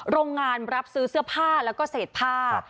โรงงานรับซื้อเสื้อผ้าแล้วก็เศษผ้า